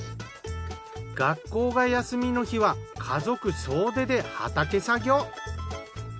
学校が休みの日は家族総出で畑作業。